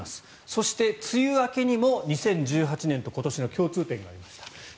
そして、梅雨明けにも２０１８年と今年の共通点があります。